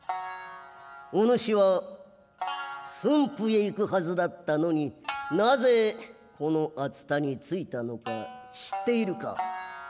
御主は駿府へ行くはずだったのに何故この熱田に着いたのか知っているか。